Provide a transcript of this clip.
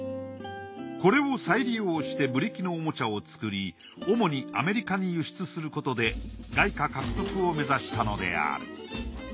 これを再利用してブリキのおもちゃを作り主にアメリカに輸出することで外貨獲得を目指したのである。